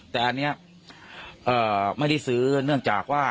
แต่อันนี้ไม่ได้ซื้อเนื่องจากว่า